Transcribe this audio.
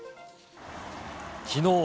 きのう。